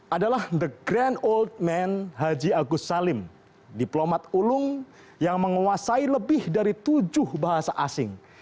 adalah the grand oldman haji agus salim diplomat ulung yang menguasai lebih dari tujuh bahasa asing